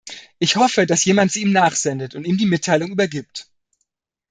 Ich hoffe, dass jemand sie ihm nachsendet und ihm die Mitteilung übergibt.